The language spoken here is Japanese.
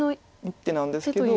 一手なんですけど。